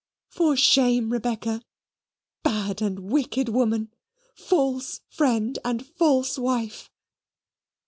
For shame, Rebecca; bad and wicked woman false friend and false wife."